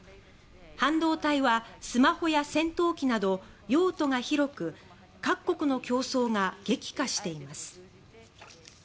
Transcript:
半導体はスマホや戦闘機など用途が広く各国の競争が激化しています。